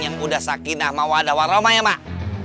yang udah sakinah sama wadah waroma ya mak